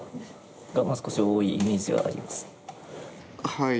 はい。